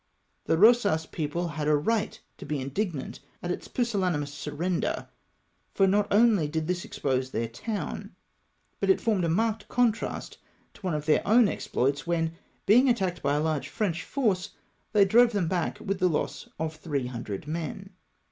The Eosas people had a right to be indignant at its pusillanimous siu:render, for not only did this expose their town, but it formed a marked contrast to one of their own exploits, when, behig attacked by a large French force, they drove them back with the loss of 300 men.